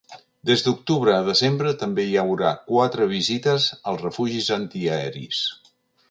Des d’octubre a desembre, també hi haurà quatre visites als refugis antiaeris.